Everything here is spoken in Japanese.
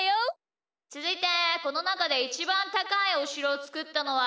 つづいてこのなかでイチバンたかいおしろをつくったのは？